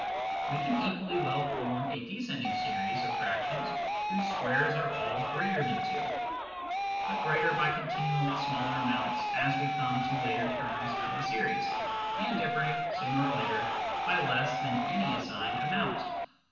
We can equally well form a descending series of fractions whose squares are all greater than 2, but greater by continually smaller amounts as we come to later terms of the series, and differing, sooner or later, by less than any assigned amount.